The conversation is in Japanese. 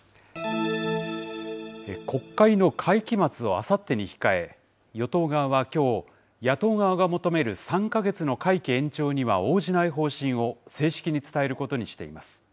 国会の会期末をあさってに控え、与党側はきょう、野党側が求める３か月の会期延長には応じない方針を正式に伝えることにしています。